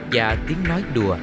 và tiếng nói đùa